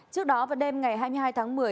trước đó vào đêm ngày hai mươi hai tháng một mươi